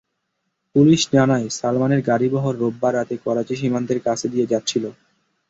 Police জানায়, সালমানের গাড়িবহর রোববার রাতে করাচি সীমান্তের কাছ দিয়ে যাচ্ছিল।